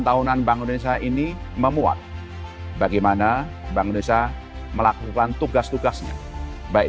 tahunan bank indonesia ini memuat bagaimana bank indonesia melakukan tugas tugasnya baik